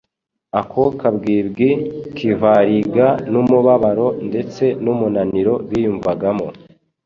Ako kabwibwi kivariga n'umubabaro ndetse n'umunaniro biyumvagamo.